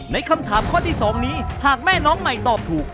คำถามข้อที่๒นี้หากแม่น้องใหม่ตอบถูก